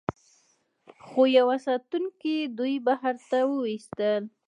خو یوه ساتونکي دوی بهر ته وویستل